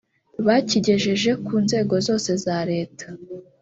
bakigejeje ku nzego zose za Leta